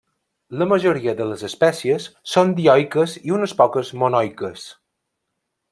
La majoria de les espècies són dioiques i unes poques monoiques.